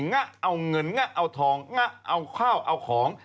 งะเอาเงินงะเอาทองงะเอาข้าวเอาของ